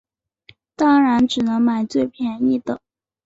当然只能买最便宜的